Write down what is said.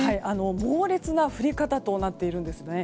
猛烈な降り方となっているんですね。